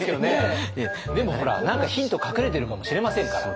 でもほら何かヒント隠れてるかもしれませんから。